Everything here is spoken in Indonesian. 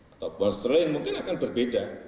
atau won strollen mungkin akan berbeda